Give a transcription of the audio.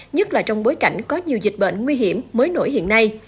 nhất là trong bối cảnh có nhiều dịch bệnh nguy hiểm mới nổi hiện nay